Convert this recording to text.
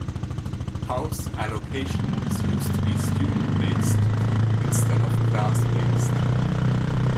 House allocations used to be student-based, instead of class-based.